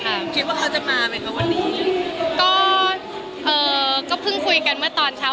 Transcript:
คิดว่าเขาจะมาไหมคะวันนี้ก็เอ่อก็เพิ่งคุยกันเมื่อตอนเช้า